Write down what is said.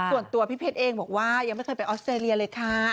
ส่วนตัวพี่เพชรเองบอกว่ายังไม่เคยไปออสเตรเลียเลยค่ะ